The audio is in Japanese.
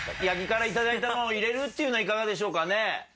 八木から頂いたの入れるっていうのは、いかがでしょうかね。